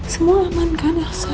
semua aman kan elsa